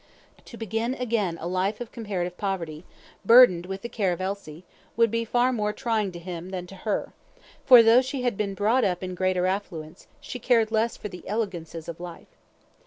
To begin again a life of comparative poverty, burdened with the care of Elsie, would be far more trying to him than to her; for though she had been brought up in greater affluence, she cared less for the elegances of life.